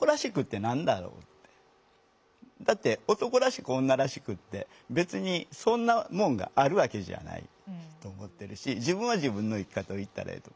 だって男らしく女らしくって別にそんなもんがあるわけじゃないと思ってるし自分は自分の生き方をいったらええと。